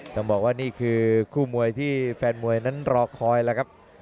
ต้องบอกว่านี่คือคู่มวยที่แฟนมวยนั้นรอคอยแล้วครับ